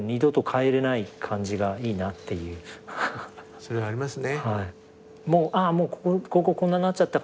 それありますね。